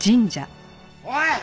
おい！